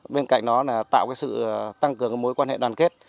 bên cạnh đó là tạo sự tăng cường mối quan hệ đoàn kết